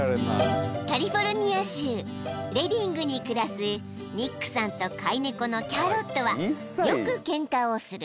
［カリフォルニア州レディングに暮らすニックさんと飼い猫のキャロットはよくケンカをする］